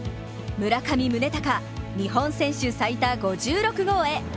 村上宗隆、日本選手最多５６号へ。